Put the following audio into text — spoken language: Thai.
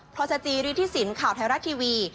พจริษฐศิลป์ข่าวไทยรัฐทีวี